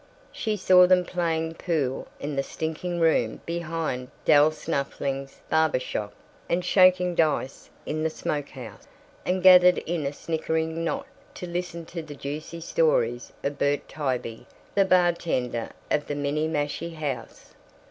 She saw them playing pool in the stinking room behind Del Snafflin's barber shop, and shaking dice in "The Smoke House," and gathered in a snickering knot to listen to the "juicy stories" of Bert Tybee, the bartender of the Minniemashie House.